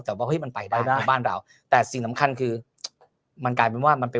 แต่ว่าเฮ้ยมันไปได้หน้าบ้านเราแต่สิ่งสำคัญคือมันกลายเป็นว่ามันเป็น